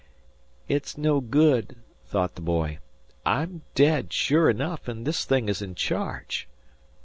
"It's no good," thought the boy. "I'm dead, sure enough, and this thing is in charge."